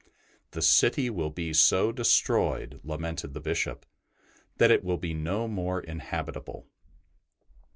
'' The city will be so destroyed,'' lamented the Bishop," that it will be no more inhabitable."